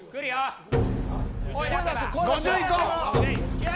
５０いこう。